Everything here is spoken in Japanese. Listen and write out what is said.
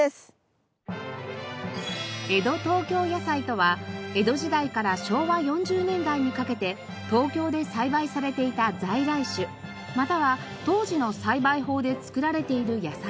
江戸東京野菜とは江戸時代から昭和４０年代にかけて東京で栽培されていた在来種または当時の栽培法で作られている野菜の事。